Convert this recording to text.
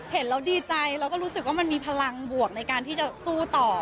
เห็นแล้วดีใจแล้วก็รู้สึกว่ามันมีพลังบวกในการที่จะสู้ต่อ